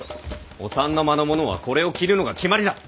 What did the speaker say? お三の間の者はこれを着るのが決まりだ。